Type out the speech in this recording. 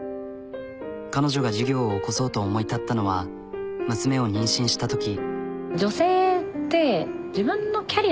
彼女が事業を起こそうと思い立ったのは娘を妊娠したとき。